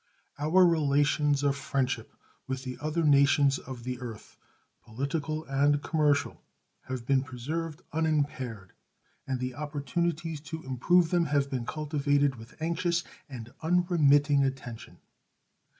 Our relations of friendship with the other nations of the earth, political and commercial, have been preserved unimpaired, and the opportunities to improve them have been cultivated with anxious and unremitting attention.